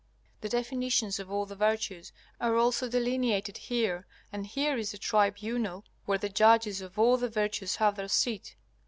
The definitions of all the virtues are also delineated here, and here is the tribunal, where the judges of all the virtues have their seat.